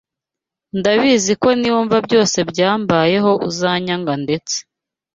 Ndabizi ko niwumva byose byambayeho uzanyanga ndetse